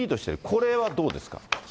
これはどうですか。